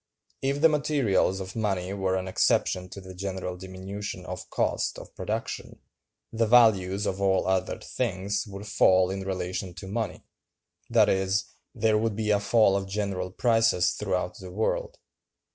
If the materials of money were an exception to the general diminution of cost of production, the values of all other things would fall in relation to money—that is, there would be a fall of general prices throughout the world.